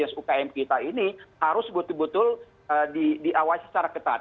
ukm kita ini harus betul betul diawasi secara ketat